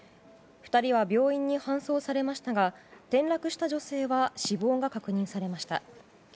２人は病院に搬送されましたが転落した女性は死亡が確認されました。